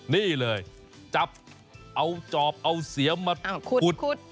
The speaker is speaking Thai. นี่เลยจับเอาจอบเอาเสียมมาขุด